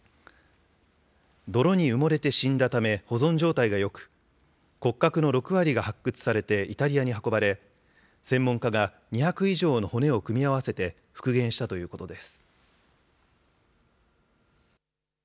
泥に埋もれて死んだため、保存状態がよく、骨格の６割が発掘されてイタリアに運ばれ、専門家が２００以上の骨を組み合わせて復元したということです。